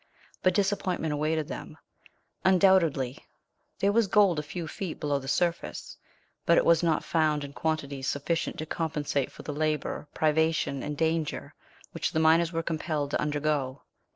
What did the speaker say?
But disappointment awaited them. Undoubtedly there was gold a few feet below the surface, but it was not found in quantities sufficient to compensate for the labour, privation, and danger, which the miners were compelled to undergo.